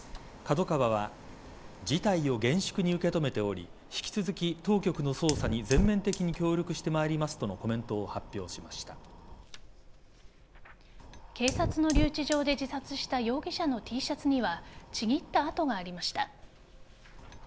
ＫＡＤＯＫＡＷＡは事態を厳粛に受け止めており引き続き、当局の捜査に全面的に協力してまいりますとのコメントを警察の留置場で自殺した容疑者のＴシャツにはちぎった跡がありました。